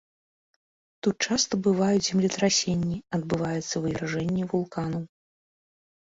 Тут часта бываюць землетрасенні, адбываюцца вывяржэнні вулканаў.